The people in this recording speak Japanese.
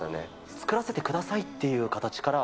作らせてくださいという形から？